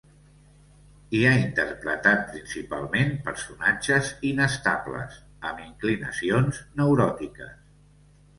I ha interpretat principalment personatges inestables, amb inclinacions neuròtiques.